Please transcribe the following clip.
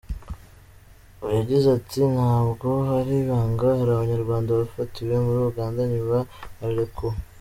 Yagize ati “Ntabwo ari ibanga, hari Abanyarwanda bafatiwe muri Uganda nyuma bararekuwe.”